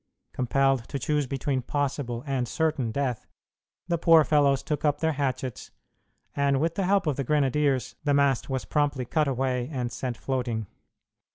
Compelled to choose between possible and certain death, the poor fellows took up their hatchets, and with the help of the grenadiers, the mast was promptly cut away and sent floating.